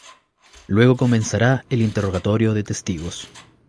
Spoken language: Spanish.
Luego comenzará el interrogatorio de testigos.